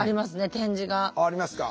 点字が。ありますか。